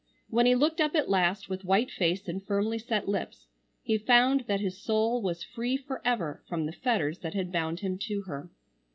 When he looked up at last with white face and firmly set lips, he found that his soul was free forever from the fetters that had bound him to her.